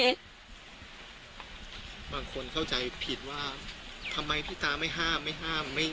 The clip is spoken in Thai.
บางคนเข้าใจผิดว่าทำไมพี่ตาไม่ห้ามไม่ห้าม